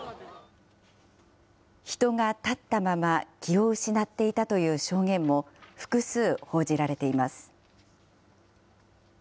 人が立ったまま気を失っていたという証言も複数報じられています。